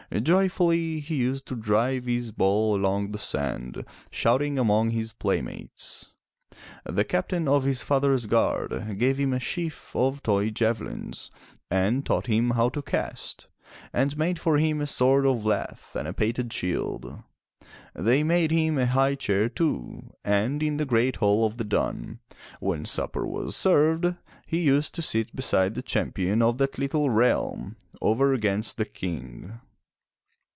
Joyfully he used to drive his ball along the sand, shouting among his playmates. The Captain of his father's guard gave him a sheaf of toy javelins, and taught him how to cast, and made for him a sword of lath and a painted shield. They made him a high chair too, and in the great hall of the dun, when supper was served, he used to sit beside the Champion of that little realm, over against the King.